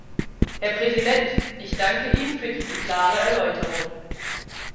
Herr Präsident! Ich danke Ihnen für diese klare Erläuterung.